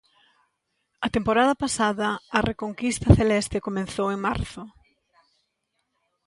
A temporada pasada a reconquista celeste comezou en marzo.